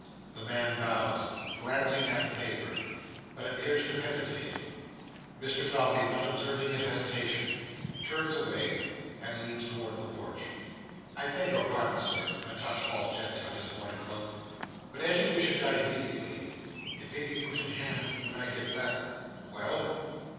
The man bows, glancing at the paper, but appears to hesitate. Mr Dombey not observing his hesitation, turns away, and leads towards the porch. "I beg your pardon, Sir;" a touch falls gently on his mourning cloak; "but as you wish it done immediately, and it may be put in hand when I get back—" "Well?"